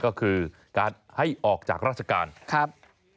ก็คือการให้ออกจากราชการครับ